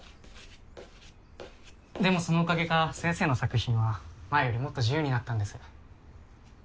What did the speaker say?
でもそのおかげか先生の作品は前よりもっと自由になったんです。